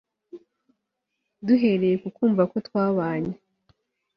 Duhereye ku kumva ko twabanye